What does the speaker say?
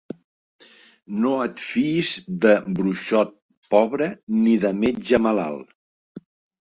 No et fiïs de bruixot pobre ni de metge malalt.